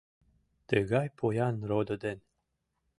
Тыгай поян родо ден